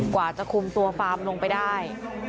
กว่าจะคุมตัวฟาร์มลงไปได้